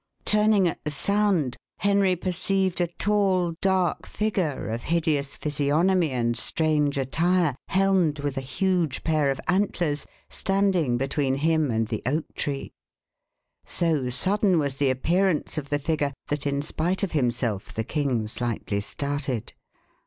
Turning at the sound, Henry perceived a tall dark figure of hideous physiognomy and strange attire, helmed with a huge pair of antlers, standing between him and the oak tree. So sudden was the appearance of the figure, that in spite of himself the king slightly started.